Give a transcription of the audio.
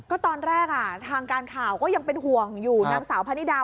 ก็ตอนแรกทางการข่าวก็ยังเป็นห่วงอยู่นางสาวพะนิดา